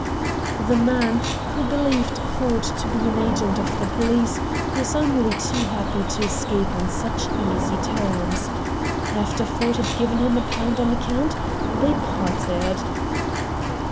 The man, who believed Ford to be an agent of the police, was only too happy to escape on such easy terms. After Ford had given him a pound on account, they parted.